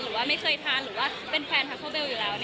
หรือว่าไม่เคยทานหรือว่าเป็นแฟนพาเขาเบลอยู่แล้ว